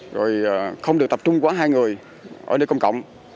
rồi không được tập trung quá hai người ở nơi công cộng